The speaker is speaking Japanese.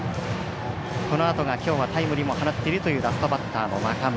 このあとがきょうはタイムリーも放っているラストバッターの中村。